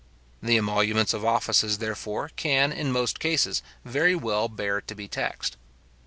The emoluments of offices, therefore, can, in most cases, very well bear to be taxed.